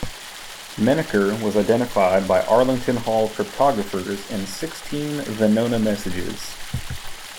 Menaker was identified by Arlington Hall cryptographers in sixteen Venona messages.